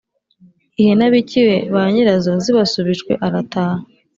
Ihene abikiye ba nyirazo zibasubijwe arataha.